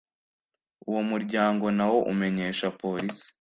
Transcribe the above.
uwo muryango nawo umenyesha polisi